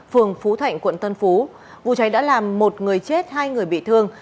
phường phú thạnh quận tân phú vụ cháy đã làm một người chết hai người bị thương